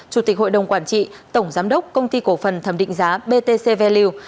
chủ tịch hội đồng quản trị tổng giám đốc công ty cổ phần thẩm định giá btc value